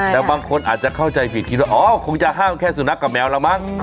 แต่บางคนอาจจะเข้าใจผิดคิดว่าอ๋อคงจะห้ามแค่สุนัขกับแมวแล้วมั้ง